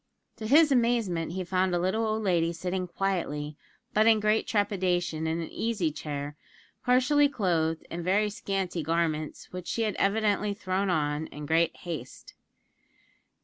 To his amazement, he found a little old lady sitting quietly, but in great trepidation, in an easy chair, partially clothed in very scanty garments, which she had evidently thrown on in great haste.